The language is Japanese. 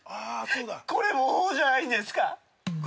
これもほうじゃないんですか。